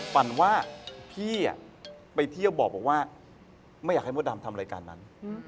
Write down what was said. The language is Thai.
ฝันว่าพี่ไปเที่ยวบอกว่าไม่อยากให้มดดำทำรายการนั้น